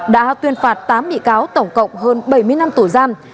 đã tuyên phạt tám bị cáo tổng cộng hơn bảy mươi năm tù giam